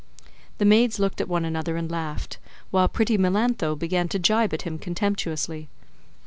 The maids looked at one another and laughed, while pretty Melantho began to gibe at him contemptuously.